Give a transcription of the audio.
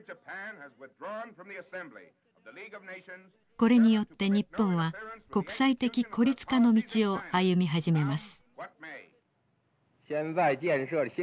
これによって日本は国際的孤立化の道を歩み始めます。